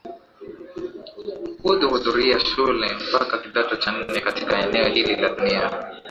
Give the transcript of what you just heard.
hudhu hudhuria shule mpaka kidato cha nne katika eneo hili la dunia